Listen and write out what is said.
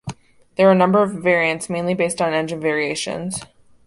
There were a number of variants mainly based on engine variations.